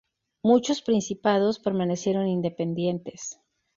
Muchos principados permanecieron independientes.